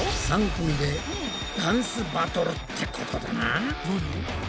３組でダンスバトルってことだな。